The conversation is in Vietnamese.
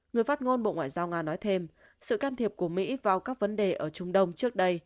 người phát ngôn bộ ngoại giao nga nói thêm sự can thiệp của mỹ vào các vấn đề ở trung đông trước đây